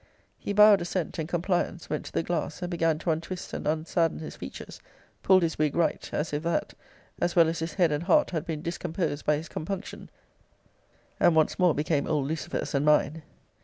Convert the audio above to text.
He bowed assent and compliance; went to the glass; and began to untwist and unsadden his features; pulled his wig right, as if that, as well as his head and heart had been discomposed by his compunction, and once more became old Lucifer's and mine.